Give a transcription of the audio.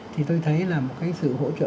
thì tôi thấy là một cái sự hỗ trợ